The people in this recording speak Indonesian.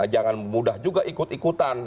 jangan mudah juga ikut ikutan